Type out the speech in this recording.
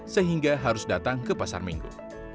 sehingga harus datang ke pasar minggu